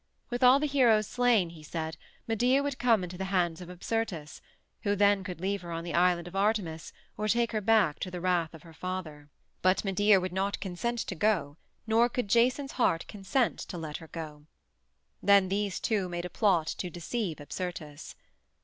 With all the heroes slain, he said, Medea would come into the hands of Apsyrtus, who then could leave her on the island of Artemis or take her back to the wrath of her father. But Medea would not consent to go nor could Jason's heart consent to let her go. Then these two made a plot to deceive Apsyrtus.